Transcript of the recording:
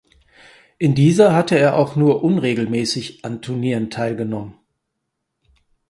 In dieser hatte er auch nur unregelmäßig an Turnieren teilgenommen.